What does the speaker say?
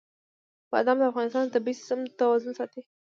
بادام د افغانستان د طبعي سیسټم توازن ساتي.